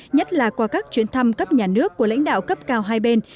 nhất là qua các chuyến thăm cấp nhà nước của lãnh đạo cấp cao hai bên